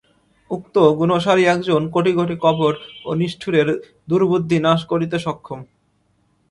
উক্ত গুণশালী একজন কোটি কোটি কপট ও নিষ্ঠুরের দুর্বুদ্ধি নাশ করিতে সক্ষম।